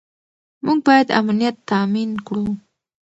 موږ باید امنیت تامین کړو.